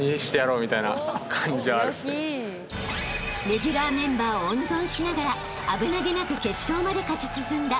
［レギュラーメンバーを温存しながら危なげなく決勝まで勝ち進んだ